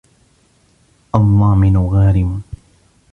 الضامن غارم